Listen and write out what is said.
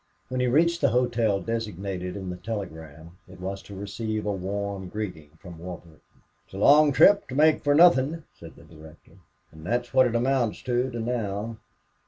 When he reached the hotel designated in the telegram it was to receive a warm greeting from Warburton. "It's a long trip to make for nothing," said the director. "And that's what it amounts to now.